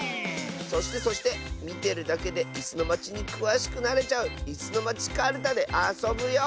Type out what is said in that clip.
そしてそしてみてるだけで「いすのまち」にくわしくなれちゃう「いすのまちカルタ」であそぶよ！